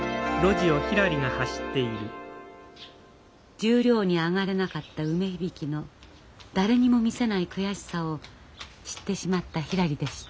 十両に上がれなかった梅響の誰にも見せない悔しさを知ってしまったひらりでした。